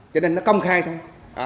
cho nên nó công khai thôi